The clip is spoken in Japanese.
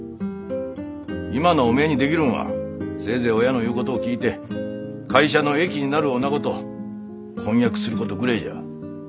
今のおめえにできるんはせいぜい親の言うことを聞いて会社の益になるおなごと婚約することぐれえじゃ。